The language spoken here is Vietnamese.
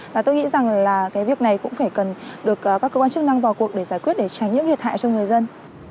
và tôi nghĩ rằng là cái việc này cũng phải cần được các cơ quan chức năng vào cuộc để giải quyết để tránh những thiệt hại cho người dân